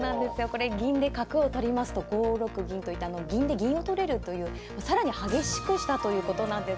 これ銀で角を取りますと５六銀といたのを銀で銀を取れるという更に激しくしたということなんですね。